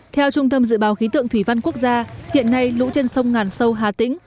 theo trung tâm dự báo khí tượng thủy văn quốc gia hiện nay lũ trên sông ngàn sâu hà tĩnh